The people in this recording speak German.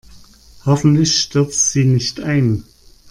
Hoffentlich stürzt sie nicht ein.